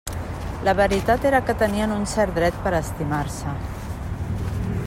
La veritat era que tenien un cert dret per a estimar-se.